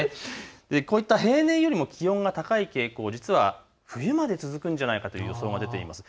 平年よりも気温が高い傾向、実は冬まで続くんじゃないかという予想が出ています。